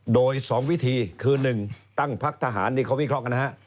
โดย๒วิธีคือ๑ตั้งพักทหารนี่เขาวิเคราะห์นะฮะ